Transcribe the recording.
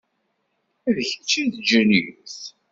D kečč i d Julius?